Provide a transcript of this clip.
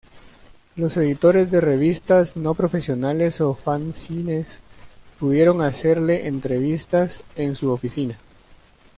Los editores de revistas no profesionales o fanzines pudieron hacerle entrevistas en su oficina.